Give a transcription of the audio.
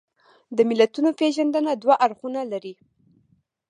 د متلونو پېژندنه دوه اړخونه لري